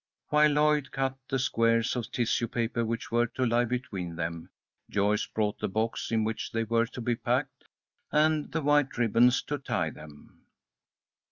While Lloyd cut the squares of tissue paper which were to lie between them, Joyce brought the box in which they were to be packed and the white ribbons to tie them.